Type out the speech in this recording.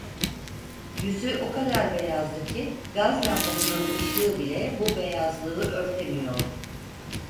Yüzü o kadar beyazdı ki, gaz lambasının ışığı bile bu beyazlığı örtemiyordu.